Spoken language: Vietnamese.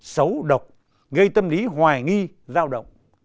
xấu độc gây tâm lý hoài nghi giao động